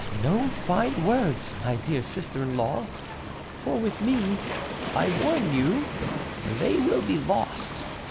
"No fine words, my dear sister in law; for, with me, I warn you, they will be lost.